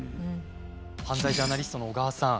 犯罪ジャーナリストの小川さん。